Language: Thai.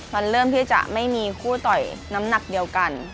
มันเริ่มที่จะไม่มีคู่ต่อยน้ำหนักเดียวกัน